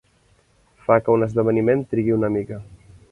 Fa que un esdeveniment trigui una mica.